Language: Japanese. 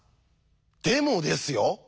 でもですよ